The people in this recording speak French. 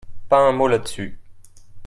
Pas un mot là-dessus.